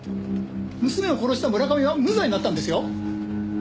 娘を殺した村上は無罪になったんですよ。